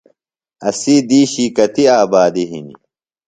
اسی دِیشی کتیۡ آبادیۡ ہِنیۡ؟